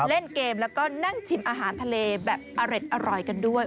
เล่นเกมแล้วก็นั่งชิมอาหารทะเลแบบอร่อยกันด้วย